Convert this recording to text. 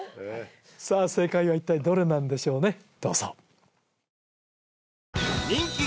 さあ正解は一体どれなんでしょうね